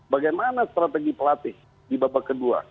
bagaimana strategi pelatih di babak kedua